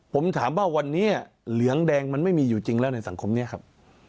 ผมถามว่าวันนี้เหลืองแดงมันไม่มีอยู่จริงแล้วในสังคมนี้ครับ